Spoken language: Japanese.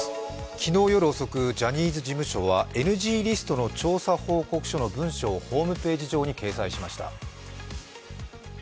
昨日夜遅く、ジャニーズ事務所はＮＧリストの調査報告書の文書をホームページ上に掲載しました。